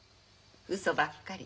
うそばっかり。